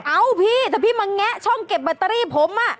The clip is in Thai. พี่ถ้าพี่มาแงะช่องเก็บแบตเตอรี่ผม